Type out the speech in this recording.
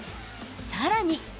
さらに。